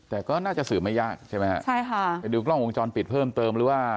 แต่ก็น่าจะสื่อมันยากใช่ไหมคะเป็นดูกล้องวงจรปิดเพิ่มเติมหรือว่า